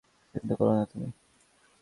চিন্তা করো না তুমি।